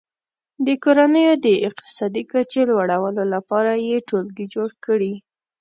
د کورنیو د اقتصادي کچې لوړولو لپاره یې ټولګي جوړ کړي.